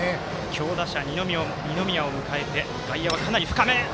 強打者、二宮を迎えて外野は深め。